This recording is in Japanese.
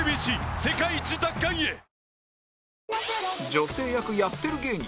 女性役やってる芸人